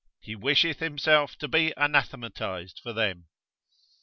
he wisheth himself to be anathematised for them.